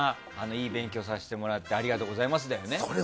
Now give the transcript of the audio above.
いい勉強させてもらってありがとうございますですよね。